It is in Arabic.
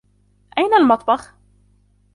أين المطبخ؟